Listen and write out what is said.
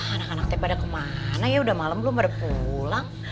anak anak tep ada kemana ya udah malem belum pada pulang